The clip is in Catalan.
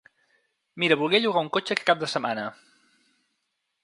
Mira volia llogar un cotxe aquest cap de setmana.